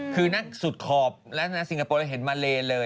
คือนักสุดขอบแล้วนะสิงคโปร์เห็นมาเลเลย